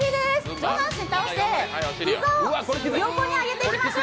上半身倒して膝を横に上げていきましょう。